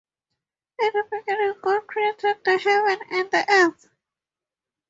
In the beginning God created the heaven and the earth.